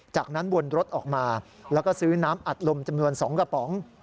จากนั้นวนรถออกมาแล้วก็ซื้อน้ำอัดลมจำนวน๒กระป๋อง